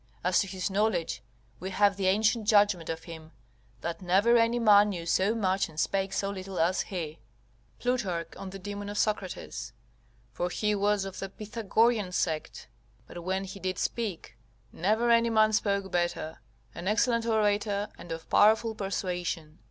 As to his knowledge, we have this ancient judgment of him, "That never any man knew so much, and spake so little as he"; [Plutarch, On the Demon of Socrates, c. 23.] for he was of the Pythagorean sect; but when he did speak, never any man spake better; an excellent orator, and of powerful persuasion.